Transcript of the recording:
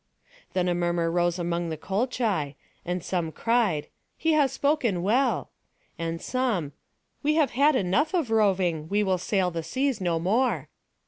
Then a murmur rose among the Colchi, and some cried, "He has spoken well"; and some, "We have had enough of roving, we will sail the seas no more!"